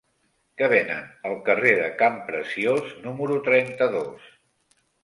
Què venen al carrer de Campreciós número trenta-dos?